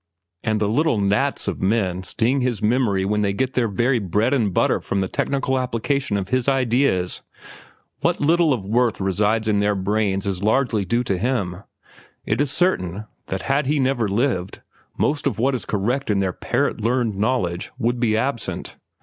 And the little gnats of men sting his memory when they get their very bread and butter from the technical application of his ideas. What little of worth resides in their brains is largely due to him. It is certain that had he never lived, most of what is correct in their parrot learned knowledge would be absent.